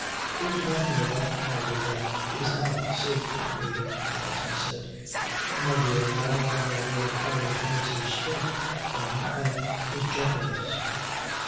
"There's nothing about Harry that is not safe with me," Alison said. "Oh, my dear, now I know where Harry has his strength from and his gentleness."